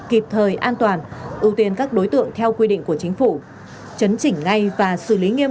kịp thời an toàn ưu tiên các đối tượng theo quy định của chính phủ chấn chỉnh ngay và xử lý nghiêm